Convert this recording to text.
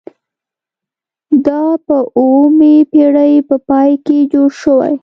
دا په اوومې پیړۍ په پای کې جوړ شوي.